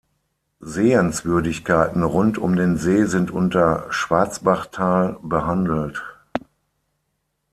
Sehenswürdigkeiten rund um den See sind unter Schwarzbachtal behandelt.